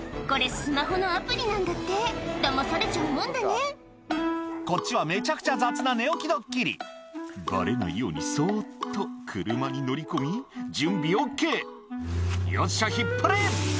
スマホのアプリなんだってダマされちゃうもんだねこっちはめちゃくちゃ雑な寝起きドッキリバレないようにそっと車に乗り込み準備ＯＫよっしゃ引っ張れ！